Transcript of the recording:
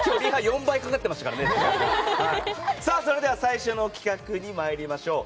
それでは最初の企画に参りましょう。